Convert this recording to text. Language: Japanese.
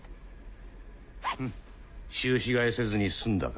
フン宗旨変えせずに済んだか。